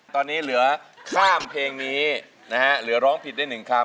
ตอนนี้เหลือข้ามเพลงนี้นะฮะเหลือร้องผิดได้๑คำ